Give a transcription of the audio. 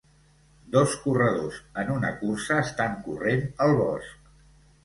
Dos corredors en una cursa estan corrent al bosc.